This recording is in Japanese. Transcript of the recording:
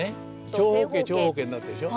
長方形長方形になってるでしょ。